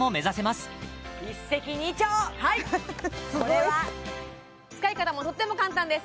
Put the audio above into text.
すごい使い方もとっても簡単です